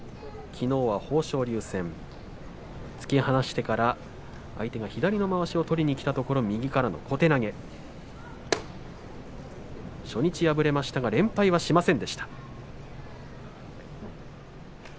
きのうは豊昇龍戦突き放してから相手が左のまわしを取りにきたところ右からの小手投げ初日、敗れましたが連敗はしませんでした。